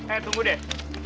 eh tunggu deh